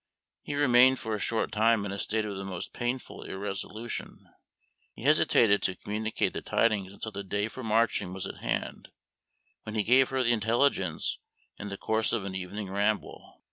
He remained for a short time in a state of the most painful irresolution; he hesitated to communicate the tidings until the day for marching was at hand, when he gave her the intelligence in the course of an evening ramble.